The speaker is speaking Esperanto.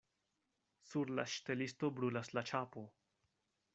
Sur la ŝtelisto brulas la ĉapo.